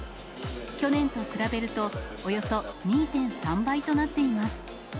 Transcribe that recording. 去年と比べるとおよそ２．３倍となっています。